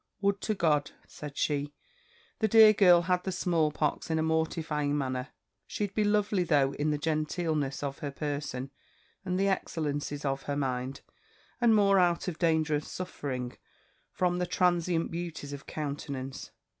Would to God!' said she, 'the dear girl had the small pox in a mortifying manner: she'd be lovely though in the genteelness of her person and the excellencies of her mind; and more out of danger of suffering from the transcient beauties of countenance.